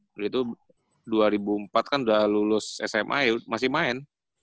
lalu itu dua ribu empat kan udah lulus sma masih main